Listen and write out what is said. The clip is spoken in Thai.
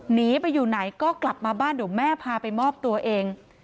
หนีไปอยู่ไหนก็กลับมาบ้านเดี๋ยวแม่พาไปมอบตัวเอง